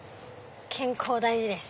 健康大事です。